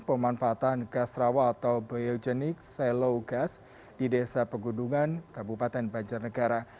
pemanfaatan gas rawa atau biogenik selow gas di desa pegunungan kabupaten banjarnegara